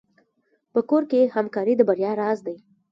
په کور کې همکاري د بریا راز دی.